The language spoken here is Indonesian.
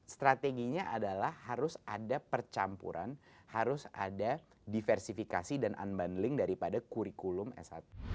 strateginya adalah harus ada percampuran harus ada diversifikasi dan unbundling daripada kurikulum s satu